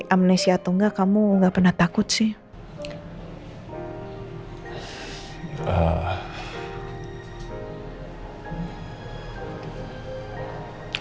amnesia atau gak kamu gak pernah takut sih